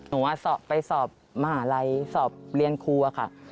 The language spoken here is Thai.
หนัวอาสอบไปอาสอบมหาลัยอาสอบเรียนครูอ่ะค่ะ